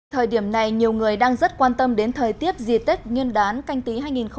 thời điểm này nhiều người đang rất quan tâm đến thời tiết dị tết nguyên đán canh tí hai nghìn hai mươi